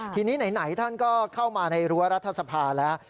ทีนี้ไหนท่านก็เข้ามาในรั้วรัฐสภาแล้ว